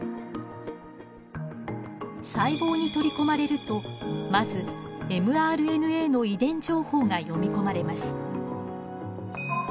細胞に取り込まれるとまずｍＲＮＡの遺伝情報が読み込まれます。